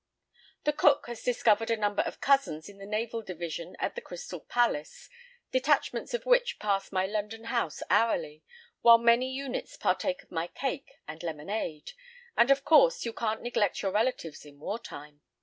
The cook has discovered a number of cousins in the Naval Division at the Crystal Palace (detachments of which pass my London house hourly, while many units partake of my cake and lemonade), and, of course, you can't neglect your relatives in war time.